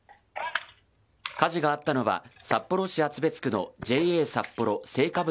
火事があったのは、札幌市厚別区のＪＡさっぽろ青果物